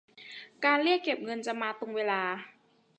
การเรียกเก็บเงินจะมาตรงเวลา